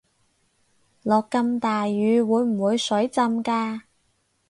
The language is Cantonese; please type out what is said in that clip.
落咁大雨會唔會水浸架